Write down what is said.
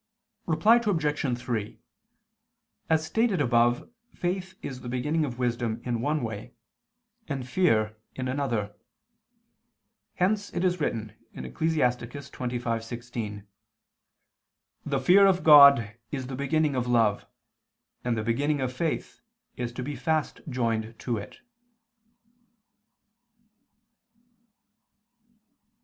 Reply Obj. 3: As stated above, faith is the beginning of wisdom in one way, and fear, in another. Hence it is written (Ecclus. 25:16): "The fear of God is the beginning of love: and the beginning of faith is to be fast joined to it."